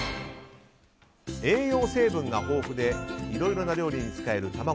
栄養成分が豊富でいろいろな料理に使える卵。